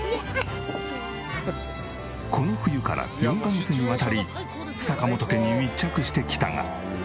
この冬から４カ月にわたり坂本家に密着してきたが。